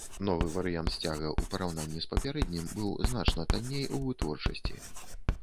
Новы варыянт сцяга ў параўнанні з папярэднім быў значна танней у вытворчасці.